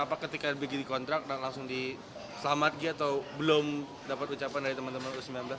apa ketika begitu dikontrak dan langsung diselamatkan atau belum dapat ucapan dari teman teman u sembilan belas